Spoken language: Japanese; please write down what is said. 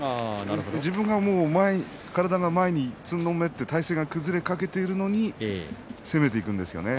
自分が体が前につんのめって体勢が崩れかけているのに攻めていくんですよね。